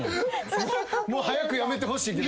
早くやめてほしいけど。